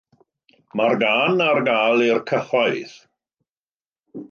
Mae'r gân ar gael i'r cyhoedd.